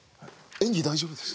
演技大丈夫です？